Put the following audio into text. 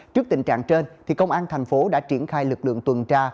trước tình trạng trên thì công an tp hcm đã triển khai lực lượng tuần tra